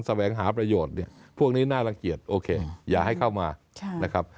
แวงหาประโยชน์เนี่ยพวกนี้น่ารังเกียจโอเคอย่าให้เข้ามานะครับ